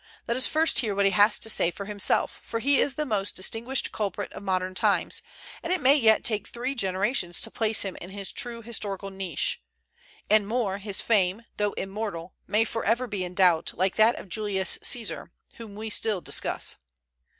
Let us first hear what he has to say for himself, for he is the most distinguished culprit of modern times, and it may yet take three generations to place him in his true historical niche; and more, his fame, though immortal, may forever be in doubt, like that of Julius Caesar, whom we still discuss.